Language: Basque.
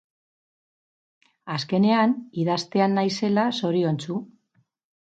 Azkenean, idaztean naizela zoriontsu.